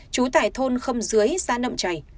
trú tại thôn khâm dưới xã đậm trày